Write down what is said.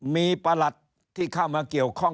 มีประหลัดที่เข้ามาเกี่ยวข้อง